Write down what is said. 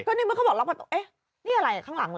ก็นี่มันเขาบอกนี่อะไรข้างหลังเหรอ